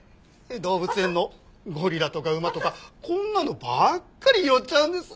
動物園のゴリラとか馬とかこんなのばっかり拾っちゃうんです。